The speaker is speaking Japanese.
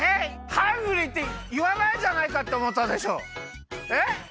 ハングリーっていわないんじゃないかっておもったでしょ？え？